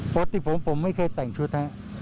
อ๋อปกติผมผมไม่เคยแต่งชุดครับ